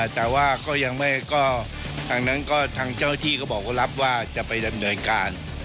แต่ว่าก็ยังไม่ก็ทางนั้นก็ทางเจ้าที่ก็บอกว่ารับว่าจะไปดำเนินการ